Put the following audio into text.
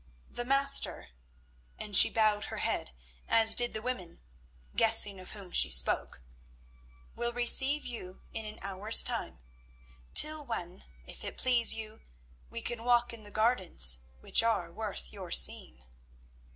The Master"—and she bowed her head, as did the women, guessing of whom she spoke—"will receive you in an hour's time, till when, if it please you, we can walk in the gardens, which are worth your seeing."